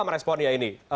memang responnya ini